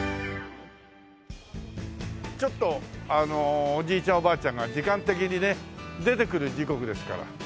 ちょっとおじいちゃんおばあちゃんが時間的にね出てくる時刻ですから。